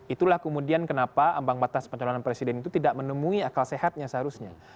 itulah kemudian kenapa ambang batas pencalonan presiden itu tidak menemui akal sehatnya seharusnya